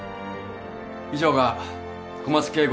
以上が小松圭吾